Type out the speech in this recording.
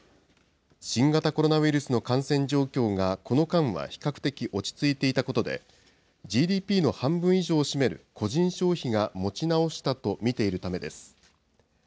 新型コロナウイルスの感染状況が、この間は比較的落ち着いていたことで、ＧＤＰの半分以上を占める個人消費が持ち直したと見ているためです。